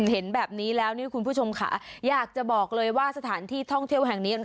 เห็นแบบนี้แล้วนี่คุณผู้ชมค่ะอยากจะบอกเลยว่าสถานที่ท่องเที่ยวแห่งนี้